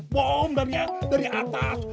bom dari atas